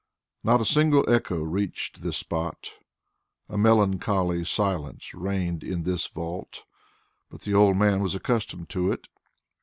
Not a single echo reached this spot. A melancholy silence reigned in this vault, but the old man was accustomed to it.